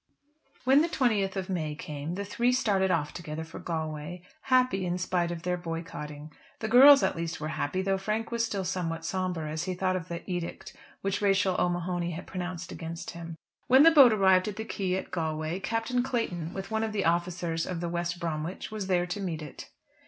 When the 20th of May came, the three started off together for Galway, happy in spite of their boycotting. The girls at least were happy, though Frank was still somewhat sombre as he thought of the edict which Rachel O'Mahony had pronounced against him. When the boat arrived at the quay at Galway, Captain Clayton, with one of the officers of the West Bromwich, was there to meet it.